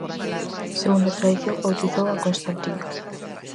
Segundo a tradición bautizou a Constantino.